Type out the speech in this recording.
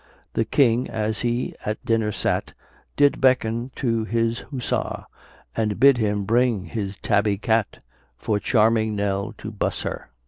The king, as he at dinner sat, Did beckon to his hussar, And bid him bring his tabby cat For charming Nell to buss her.